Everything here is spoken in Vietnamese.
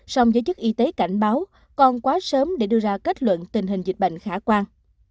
song giới chức y tế cảnh báo còn quá sớm để đưa ra kết luận tình hình dịch bệnh khả quan